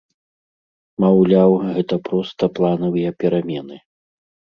Маўляў, гэта проста планавыя перамены.